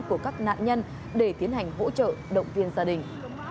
của các nạn nhân để tiến hành hỗ trợ động viên gia đình